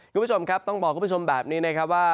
คุณผู้ชมครับต้องบอกคุณผู้ชมแบบนี้นะครับว่า